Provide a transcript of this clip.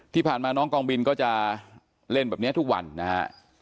ที่ผ่านมาน้องกองบินก็จะเล่นแบบนี้ทุกวันนะฮะ